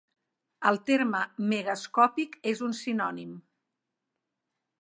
El terme "megascòpic" és un sinònim.